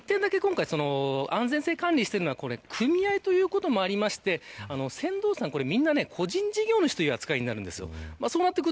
安全性を管理しているのは組合ということもありまして船頭さん、みんな個人事業主という扱いになります。